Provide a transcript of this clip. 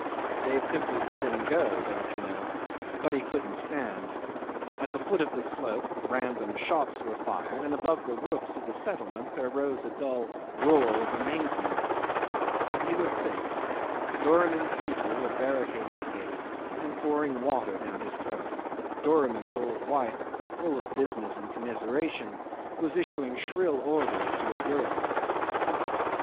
They had simply let him go don't you know? but he couldn't stand. At the foot of the slope random shots were fired, and above the roofs of the settlement there rose a dull roar of amazement. But he was safe. Doramin's people were barricading the gate and pouring water down his throat; Doramin's old wife, full of business and commiseration, was issuing shrill orders to her girls.